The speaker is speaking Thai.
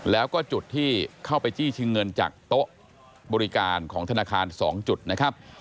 แล้วก็จุดที่เข้าไปจี้ชิงเงินจากโต๊ะบริการของธนาคาร๒จุดนะครับ